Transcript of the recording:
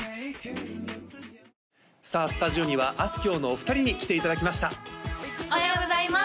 さあスタジオにはあすきょうのお二人に来ていただきましたおはようございます！